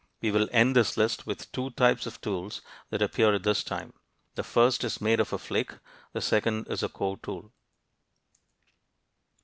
We will end this list with two types of tools that appear at this time. The first is made of a flake; the second is a core tool.